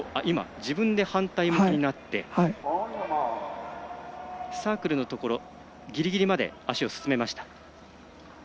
自分で反対向きになってサークルのところぎりぎりまで足を進めました。